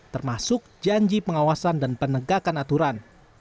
termasuk janji pengawasan dan penegakan aturan